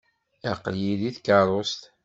Aql-iyi deg tkeṛṛust.